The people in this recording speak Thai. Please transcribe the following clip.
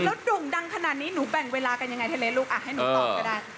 แล้วโด่งดังขนาดนี้หนูแบ่งเวลากันยังไงทะเลลูกอ่ะให้หนูตอบก็ได้